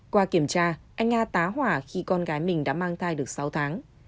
qua kiểm tra anh nga tá hỏa khi con gái mình đã mang thai được sáu tháng